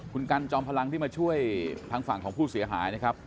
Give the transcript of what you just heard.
คุณกันจอมพลังที่มาช่วยทางฝั่งของผู้เสียหายนะครับ